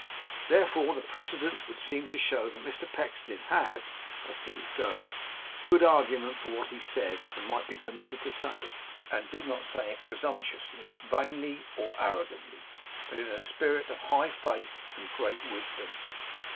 Therefore the precedents would seem to show that Mr Pecksniff had (as things go) good argument for what he said and might be permitted to say it, and did not say it presumptuously, vainly, or arrogantly, but in a spirit of high faith and great wisdom.